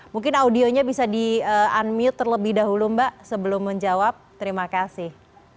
mungkin audionya bisa di unmute terlebih dahulu mbak sebelum menjawab terima kasih